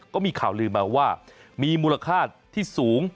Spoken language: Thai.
ก็มีข่าวลืมมาว่ามีมูลค่าที่สูง